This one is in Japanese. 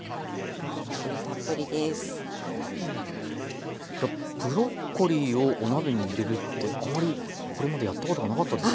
ブロッコリーをお鍋に入れるってあまりこれまでやったことがなかったです。